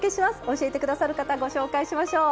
教えてくださる方ご紹介しましょう。